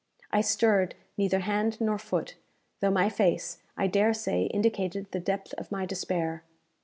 I stirred neither hand nor foot, though my face, I dare say, indicated the depth of my despair.